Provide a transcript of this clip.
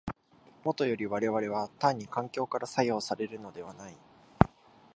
もとより我々は単に環境から作用されるのではない。